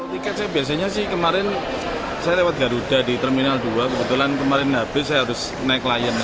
tiket saya biasanya sih kemarin saya lewat garuda di terminal dua kebetulan kemarin habis saya harus naik lion